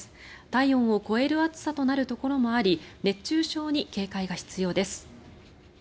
体温を超える暑さとなるところもあり熱中症に警戒が必要です。